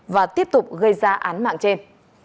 và tiếp tục gây ra án mạng trên